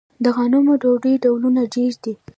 د غنمو ډوډۍ ډولونه ډیر دي.